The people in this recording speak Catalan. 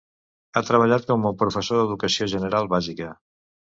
Ha treballat com a professor d'Educació General Bàsica.